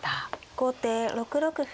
後手６六歩。